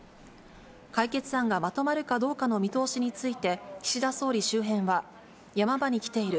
解決案がまとまるかどうかの見通しについて、岸田総理周辺は、ヤマ場にきている。